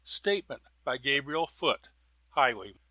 STATEMENT OF GABRIEL FOOT, HIGHWAYMAN.